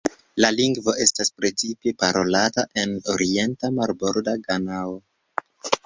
La lingvo estas precipe parolata en orienta marborda Ganao.